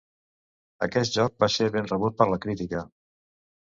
Aquest joc va ser ben rebut per la crítica.